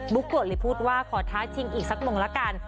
บุ๊คโกะหรือพูดว่าขอท้าทิ้งอีกสักมงละกัน